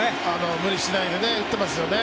無理しないで打ってますよね。